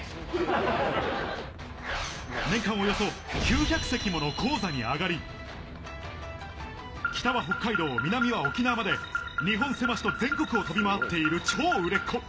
年間およそ９００席もの高座に上がり、北は北海道、南は沖縄まで、日本狭しと全国を飛び回っている超売れっ子。